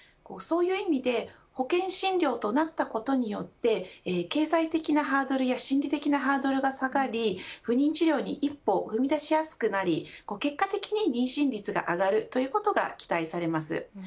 そういう意味で保険診療となったことによって経済的なハードルや、心理的なハードルが下がり不妊治療に一歩踏み出しやすくなり結果的に妊娠率が上がるということが期待されます。